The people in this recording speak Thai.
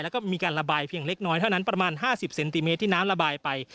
แล้วก็มีการระบายเพียงเล็กน้อยเท่านั้นประมาณ๕๐เซนติเมตรที่น้ำระบายไป